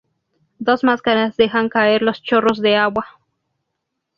Dos máscaras dejan caer los chorros de agua.